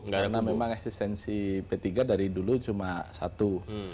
karena memang eksistensi p tiga dari dulu cuma satu